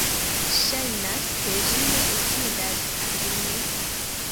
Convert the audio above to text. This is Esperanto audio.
Ŝajnas ke ĝi ne utilas al ni...